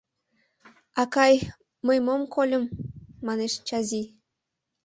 — Акай, мый мом кольым! — манеш Чазий.